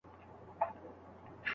موږ د خپلو هیلو قربانیان یو.